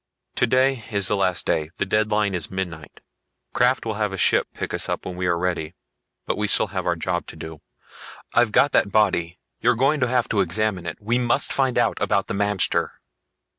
"Today is the last day. The deadline is midnight. Krafft will have a ship pick us up when we are ready. But we still have our job to do. I've got that body. You're going to have to examine it. We must find out about the magter...."